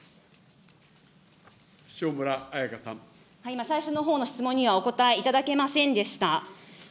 今、最初のほうの質問にはお答えいただけませんでした。